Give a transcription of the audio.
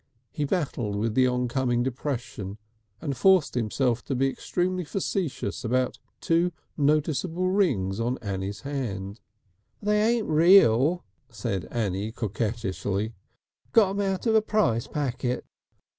He battled with the oncoming depression and forced himself to be extremely facetious about two noticeable rings on Annie's hand. "They ain't real," said Annie coquettishly. "Got 'em out of a prize packet."